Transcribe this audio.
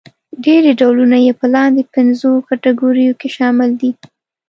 ډېری ډولونه يې په لاندې پنځو کټګوریو کې شامل دي.